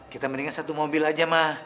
kita mendingan satu mobil aja mah